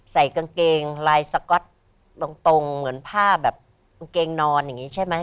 ใส่กางเกงลายสก๊อตตรงเหมือนผ้าแบบกางเกงนอนอย่างนี้ใช่ไหม